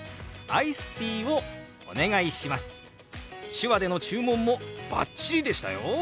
手話での注文もバッチリでしたよ！